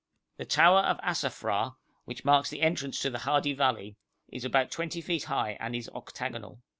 The tower of Asafra, which marks the entrance to the Hadi Valley, is about 20 feet high, and is octagonal.